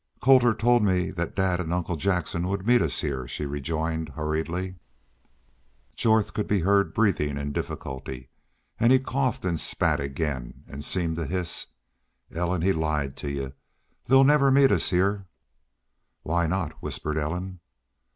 "Colter told me dad an' Uncle Jackson would meet us heah," she rejoined, hurriedly. Jorth could be heard breathing in difficulty, and he coughed and spat again, and seemed to hiss. "Ellen, he lied to y'u. They'll never meet us heah!" "Why not?" whispered Ellen.